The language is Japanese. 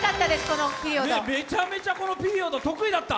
めちゃめちゃこのピリオド得意だった？